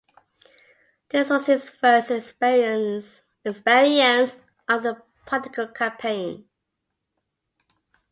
This was his first experience of a political campaign.